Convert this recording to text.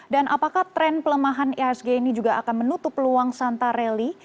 dan apakah tren pelemahan ihsg ini juga akan menutup luang santa rally